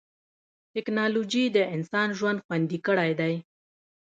ټکنالوجي د انسان ژوند خوندي کړی دی.